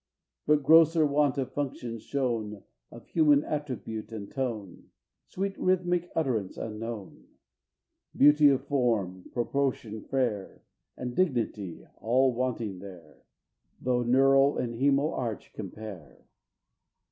But grosser want of function's shewn Of human attribute and tone, Sweet rhythmic utterance unknown; Beauty of form, proportion fair, And dignity all wanting there, Though neural and hæmal arch compare!